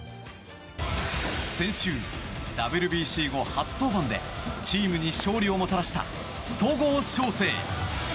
先週、ＷＢＣ後初登板でチームに勝利をもたらした戸郷翔征。